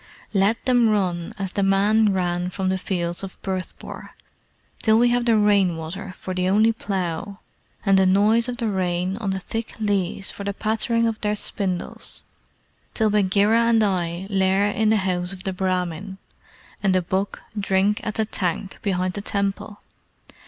"Let them run as the men ran from the fields of Bhurtpore, till we have the rain water for the only plough, and the noise of the rain on the thick leaves for the pattering of their spindles till Bagheera and I lair in the house of the Brahmin, and the buck drink at the tank behind the temple!